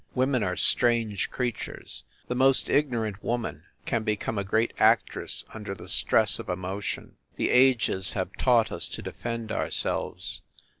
Women are strange creatures. ,.. The most ignorant woman can become a great ac tress, under the stress of emotion. ... The ages have taught us to defend ourselves